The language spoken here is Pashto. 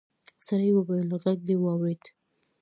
سړي وويل غږ دې واورېد.